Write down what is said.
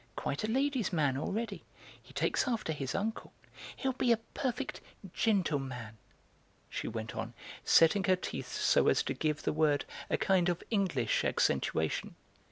Quite a ladies' man already; he takes after his uncle. He'll be a perfect 'gentleman,'" she went on, setting her teeth so as to give the word a kind of English accentuation.